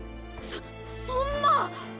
そそんな。